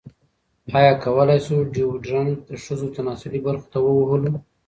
ایا کولی شو ډیوډرنټ د ښځو تناسلي برخو ته ووهلو؟